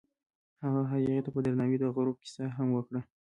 هغه هغې ته په درناوي د غروب کیسه هم وکړه.